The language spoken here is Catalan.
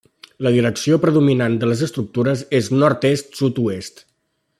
La direcció predominant de les estructures és nord-est-sud-oest.